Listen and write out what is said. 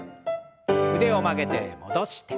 腕を曲げて戻して。